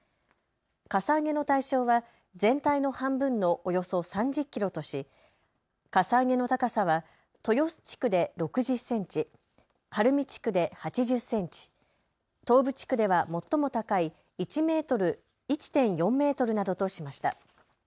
かさ上げの対象は全体の半分のおよそ３０キロとしかさ上げの高さは豊洲地区で６０センチ、晴海地区で８０センチ、東部地区では最も高い１．４メートルなどとしました。